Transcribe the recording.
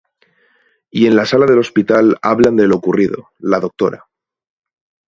Y en la sala del hospital hablan de lo ocurrido, la Dra.